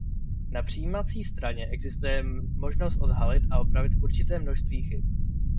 Na přijímací straně existuje možnost odhalit a opravit určité množství chyb.